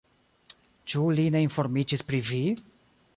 Ĉu li ne informiĝis pri vi?